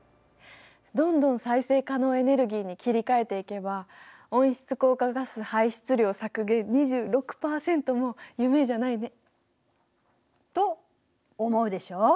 どんどん再生可能エネルギーに切り替えていけば温室効果ガス排出量削減２６％も夢じゃないね。と思うでしょう？